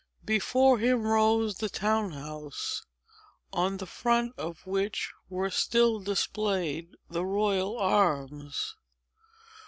Before him rose the town house, on the front of which were still displayed the royal arms.